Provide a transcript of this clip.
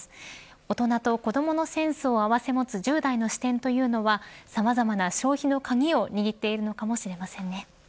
大人と子どものセンスを併せ持つ１０代の視点というのはさまざまな消費の鍵を握っているのかもしれませんね。